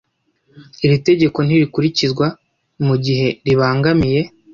Iri tegeko ntirikurikizwa mu gihe ribangamiye